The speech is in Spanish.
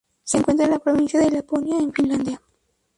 Se encuentra en la provincia de Laponia en Finlandia.